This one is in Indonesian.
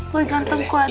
boy ganteng kuat ya